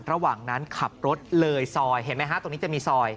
ระหว่างนั้นขับรถเลยซอยเห็นไหมฮะตรงนี้จะมีซอย